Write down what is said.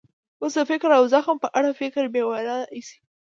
اوس د فکر او زغم په اړه خبره بې مانا ایسي.